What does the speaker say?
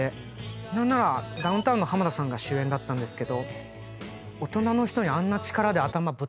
何ならダウンタウンの浜田さんが主演だったんですけど。